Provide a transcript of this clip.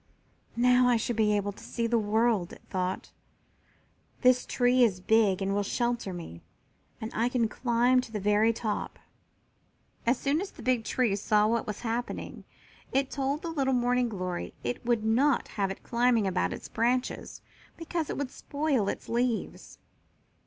"Now I shall be able to see the world," it thought. "This tree is big and will shelter me, and I can climb to the very top." As soon as the big tree saw what was happening it told the little Morning glory it would not have it climbing about its branches, because it would spoil its leaves.